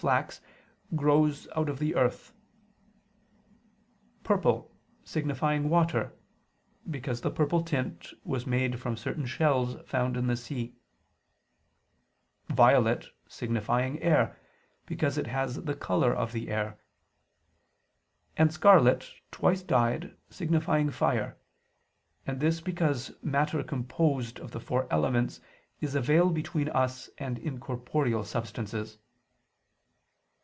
flax, grows out of the earth; purple, signifying water, because the purple tint was made from certain shells found in the sea; violet, signifying air, because it has the color of the air; and scarlet twice dyed, signifying fire: and this because matter composed of the four elements is a veil between us and incorporeal substances.